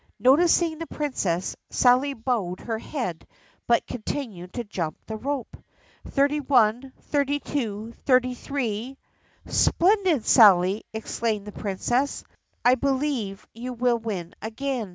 Noticing the Princess, Sally bowed her head but continued to jump the rope. "Thirty one, thirty two, thirty three —" "Splendid, Sally!" exclaimed the Princess. "I believe you will win again."